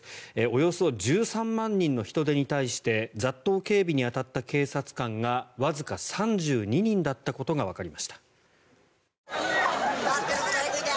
およそ１３万人の人出に対して雑踏警備に当たった警察官がわずか３２人だったことがわかりました。